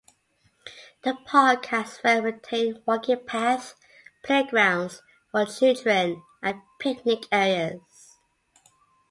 The park has well-maintained walking paths, playgrounds for children, and picnic areas.